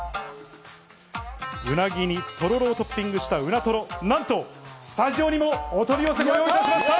うなぎにとろろをトッピングしたうなとろ、なんと、スタジオにもお取り寄せいたしました！